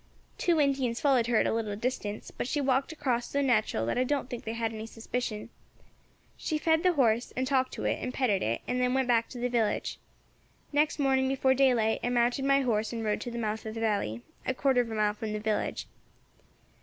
Two Indians followed her at a little distance, but she walked across so natural that I don't think they had any suspicion; she fed the horse, and talked to it, and petted it, and then went back to the village. Next morning, before daylight, I mounted my horse and rode to the mouth of the valley, a quarter of a mile from the village.